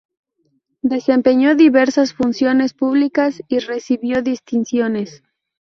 Desempeñó diversas funciones públicas y recibió distinciones.